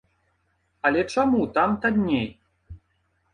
Але чаму там танней?